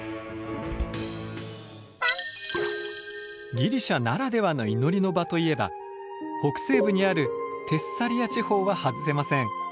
ギリシャならではの祈りの場といえば北西部にあるテッサリア地方は外せません。